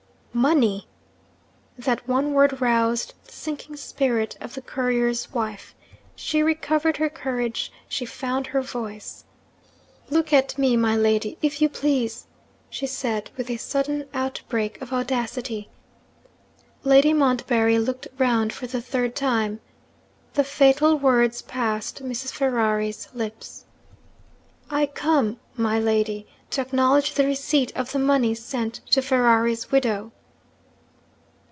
'Money!' That one word roused the sinking spirit of the courier's wife. She recovered her courage; she found her voice. 'Look at me, my lady, if you please,' she said, with a sudden outbreak of audacity. Lady Montbarry looked round for the third time. The fatal words passed Mrs. Ferrari's lips. 'I come, my lady, to acknowledge the receipt of the money sent to Ferrari's widow.'